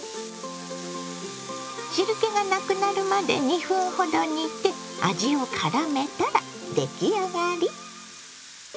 汁けがなくなるまで２分ほど煮て味をからめたら出来上がり。